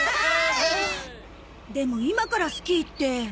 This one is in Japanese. でも今からスキーって。